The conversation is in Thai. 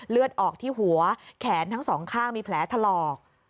เลือดออกที่หัวแขนทั้งสองข้างมีแผลถลอก